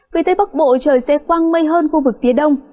vì thế bắc bộ trời sẽ quăng mây hơn khu vực phía đông